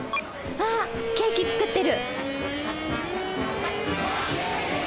あケーキ作ってる。